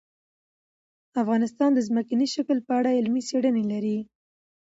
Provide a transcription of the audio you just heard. افغانستان د ځمکنی شکل په اړه علمي څېړنې لري.